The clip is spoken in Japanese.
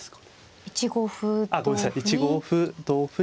１五歩同歩に。